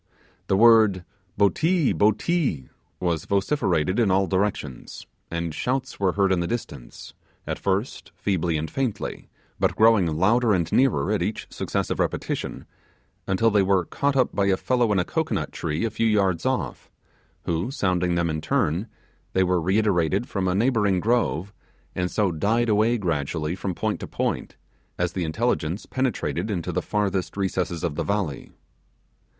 The word 'botee! botee!' was vociferated in all directions; and shouts were heard in the distance, at first feebly and faintly; but growing louder and nearer at each successive repetition, until they were caught up by a fellow in a cocoanut tree a few yards off, who sounding them in turn, they were reiterated from a neighbouring grove, and so died away gradually from point to point, as the intelligence penetrated into the farthest recess of the valley.